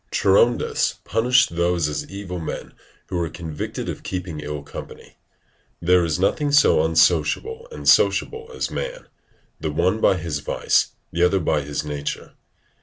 Charondas punished those as evil men who were convicted of keeping ill company. There is nothing so unsociable and sociable as man, the one by his vice, the other by his nature.